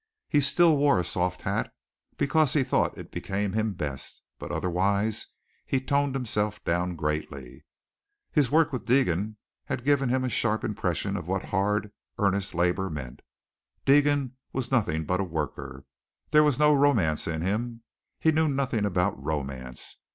He still wore a soft hat because he thought it became him best, but otherwise he toned himself down greatly. His work with Deegan had given him a sharp impression of what hard, earnest labor meant. Deegan was nothing but a worker. There was no romance in him. He knew nothing about romance.